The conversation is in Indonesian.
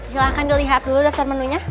silahkan dilihat dahulu dasar menu nya